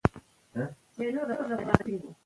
له راتلونکي څخه مه وېرېږئ او یوازې هڅه وکړئ.